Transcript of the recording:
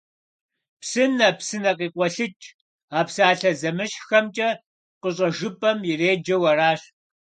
Псынэ, псынэ къикъуэлъыкӀ - а псалъэ зэмыщхьхэмкӀэ къыщӀэжыпӀэм иреджэу аращ.